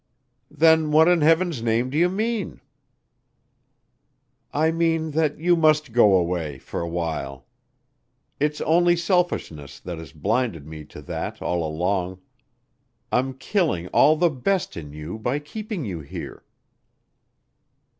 "Then what in Heaven's name do you mean?" "I mean that you must go away for awhile. It's only selfishness that has blinded me to that all along. I'm killing all the best in you by keeping you here."